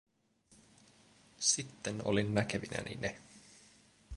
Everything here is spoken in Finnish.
Sitten olin näkevinäni ne.